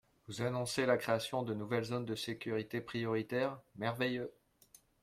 Vous annoncez la création de nouvelles zones de sécurité prioritaire, merveilleux